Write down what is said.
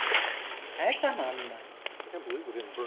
Her zaman mı?